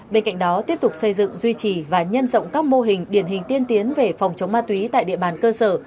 bên cạnh đó tiếp tục xây dựng duy trì và nhân rộng các mô hình điển hình tiên tiến về phòng chống ma túy tại địa bàn cơ sở